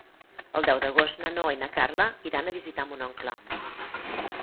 El deu d'agost na Noa i na Carla iran a visitar mon oncle.